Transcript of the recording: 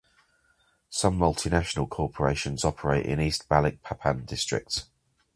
Some multinational corporations operate in East Balikpapan district.